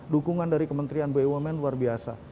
dukungan dari kementerian bumn luar biasa